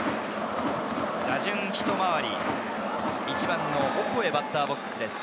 打順ひと回り、１番のオコエがバッターボックスです。